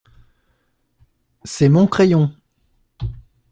C’est mon crayon.